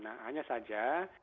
nah hanya saja